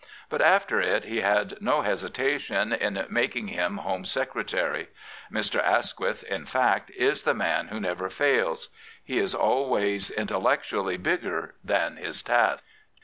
But after it he had no hesitation in making him Home Secretary, Mr. Asquith, in fact, is the man who never fails. He is always intellectually bigger than his task.